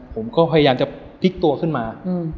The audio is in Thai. ผมก็พยายามจะพลิกตัวขึ้นมา